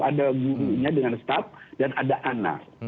ada gurunya dengan staff dan ada anak